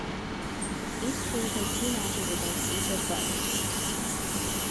Each team played two matches against each of the other teams.